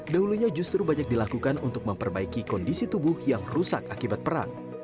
dahulunya justru banyak dilakukan untuk memperbaiki kondisi tubuh yang rusak akibat perang